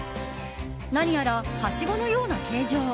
何やら、はしごのような形状。